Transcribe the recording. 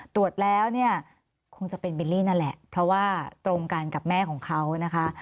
ตรวจแล้วเนี่ยคงจะเป็นบิลลี่นั่นแหละเพราะว่าตรงกันกับแม่ของเขานะคะ